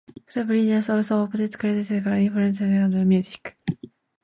Petrobrusians also opposed clerical celibacy, infant baptism, prayers for the dead, and organ music.